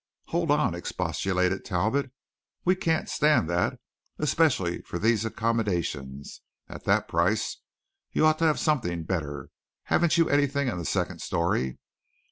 "Hold on!" expostulated Talbot. "We can't stand that especially for these accommodations. At that price we ought to have something better. Haven't you anything in the second story?"